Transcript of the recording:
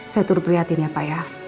saya turut prihatin ya pak ya